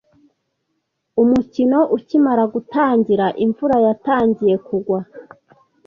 Umukino ukimara gutangira, imvura yatangiye kugwa.